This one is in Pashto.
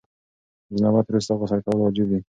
له جنابت وروسته غسل کول واجب دي.